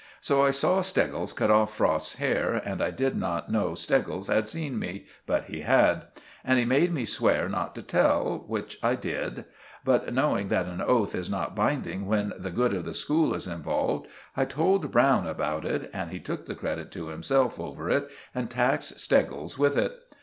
So I saw Steggles cut off Frost's hair, and I did not know Steggles had seen me, but he had. And he made me swear not to tell, which I did; but knowing that an oath is not binding when the good of the school is involved, I told Browne about it, and he took the credit to himself over it and taxed Steggles with it.